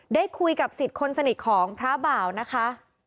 ได้คุยกับสิทธิ์คนสนิทของพระบ่าวนะคะ